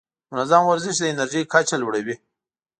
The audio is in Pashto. منظم ورزش د انرژۍ کچه لوړه وي.